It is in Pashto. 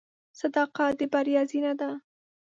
• صداقت د بریا زینه ده.